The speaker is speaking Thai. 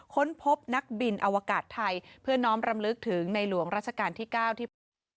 ค้นพบนักบินอวกาศไทยเพื่อน้อมรำลึกถึงในหลวงราชการที่๙ที่พบ